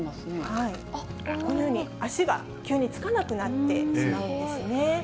このように、足が急につかなくなってしまうんですね。